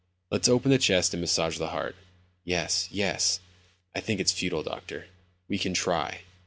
_ "Let's open the chest and massage the heart." Yes. Yes. "I think it's futile, doctor." "We can try."